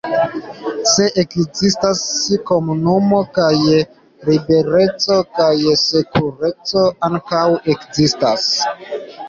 Se ekzistas komunumo, kaj libereco kaj sekureco ankaŭ ekzistas.